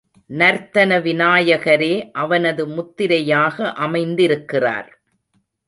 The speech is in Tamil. நர்த்தன விநாயகரே அவனது முத்திரையாக அமைந்திருக்கிறார்.